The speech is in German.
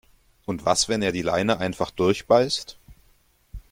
Und was, wenn er die Leine einfach durchbeißt?